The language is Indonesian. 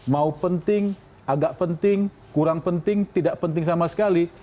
mau penting agak penting kurang penting tidak penting sama sekali